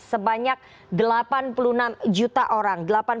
yang banyak delapan puluh enam juta orang